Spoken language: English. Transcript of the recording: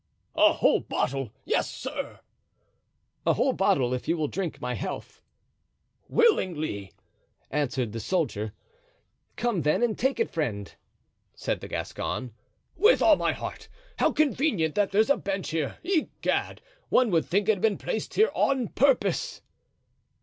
"A whole bottle? Yes, sir." "A whole bottle, if you will drink my health." "Willingly," answered the soldier. "Come, then, and take it, friend," said the Gascon. "With all my heart. How convenient that there's a bench here. Egad! one would think it had been placed here on purpose."